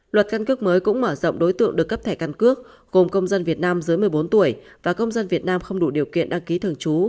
luật căn cước mới cũng mở rộng đối tượng được cấp thẻ căn cước gồm công dân việt nam dưới một mươi bốn tuổi và công dân việt nam không đủ điều kiện đăng ký thường trú